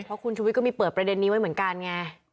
เพราะคุณชุวิตก็มีเปิดประเด็นนี้ไว้เหมือนกันไง